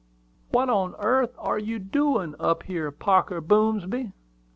"What on airth are you doin' up here, Parker Boomsby?"